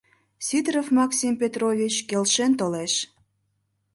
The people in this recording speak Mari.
— Сидоров Максим Петрович келшен толеш.